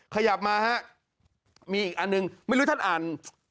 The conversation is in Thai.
ขยับมาฮะมีอีกอันหนึ่งไม่รู้ท่านอ่าน